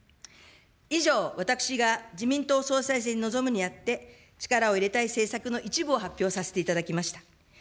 以上、私が自民党総裁選に臨むにあって、力を入れたい政策の一部を発表させていただきました。